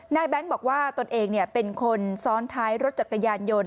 แบงค์บอกว่าตนเองเป็นคนซ้อนท้ายรถจักรยานยนต์